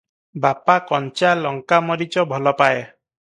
ବାପା କଞ୍ଚା ଲଙ୍କାମରିଚ ଭଲ ପାଏ ।